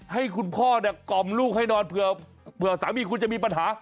ให้คุณพ่อเนี่ยกล่อมลูกให้นอนเผื่อสามีคุณจะมีปัญหา